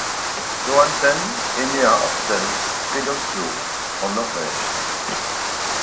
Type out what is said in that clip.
Johannsen est né à Horten près d'Oslo en Norvège.